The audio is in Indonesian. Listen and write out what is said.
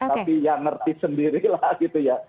tapi ya ngerti sendirilah gitu ya